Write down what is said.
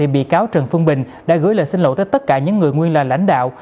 bị cáo trần phương bình đã gửi lời xin lỗi tới tất cả những người nguyên là lãnh đạo